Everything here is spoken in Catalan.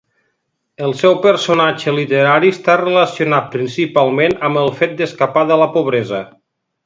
El seu personatge literari està relacionat principalment amb el fet d'escapar de la pobresa.